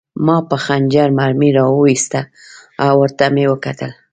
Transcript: ما په خنجر مرمۍ را وویسته او ورته مې وکتل